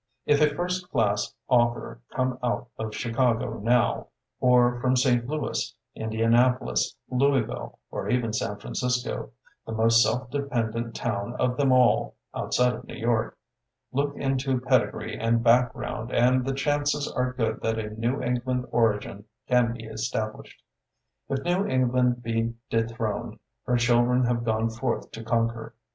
If a first class author come out of Chi cago now, or from St. Louis, Indian apolis, Louisville, or even San Fran cisco (the most self dependent town of them all, outside of New York), look into pedigree and background and the chanties are good that a New Eng land origin can be established. If New England be dethroned, her children have gone forth to conquer.